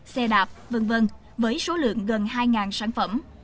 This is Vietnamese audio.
xe đạp v v với số lượng gần hai sản phẩm